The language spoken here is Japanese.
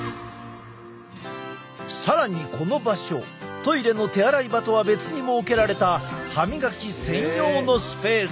更にこの場所トイレの手洗い場とは別に設けられた歯みがき専用のスペース。